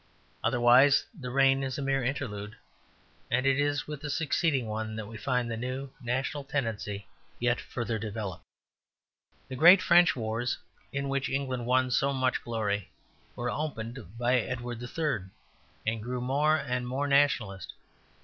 Otherwise the reign is a mere interlude, and it is with the succeeding one that we find the new national tendency yet further developed. The great French wars, in which England won so much glory, were opened by Edward III., and grew more and more nationalist.